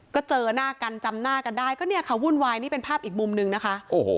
ก็เจอหน้ากันจำหน้ากันได้ก็เนี่ยค่ะวุ่นวายนี่เป็นภาพอีกมุมนึงนะคะ